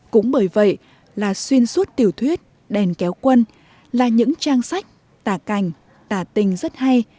cũng bởi vậy là xuyên suốt tiểu thuyết đèn kéo quân là những trang sách tả cảnh tả tình rất hay